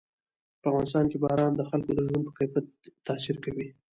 په افغانستان کې باران د خلکو د ژوند په کیفیت تاثیر کوي.